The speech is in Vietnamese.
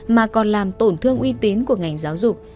mà còn làm tổn thương uy tín của ngành giáo dục